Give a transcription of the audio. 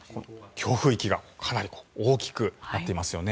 強風域がかなり大きくなっていますよね。